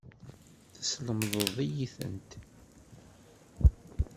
Teslemdeḍ-iyi-tent.